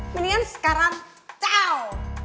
mendingan sekarang ciao